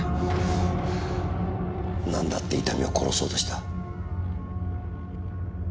なんだって伊丹を殺そうとした？